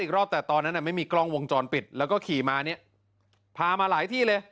อีกรอบแต่ตอนนั้นไม่มีกล้องวงจรปิดแล้วก็ขี่มาเนี่ยพามาหลายที่เลย